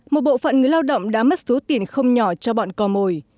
một bộ phận người lao động đã mất số tiền không nhỏ cho bọn cò mồi